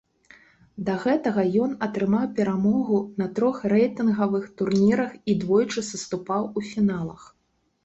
Да гэтага, ён атрымаў перамогу на трох рэйтынгавых турнірах і двойчы саступаў у фіналах.